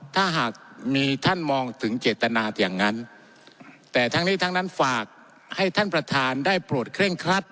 ถ้าหากมีท่านมองถึงเจตนาอย่างนั้นแต่ทั้งนี้ทั้งนั้นฝากให้ท่านประธานได้โปรดเคร่งครัด